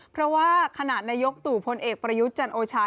เพราะว่าขณะนายกตู่พลเอกประยุทธ์จันโอชา